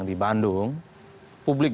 di bandung publik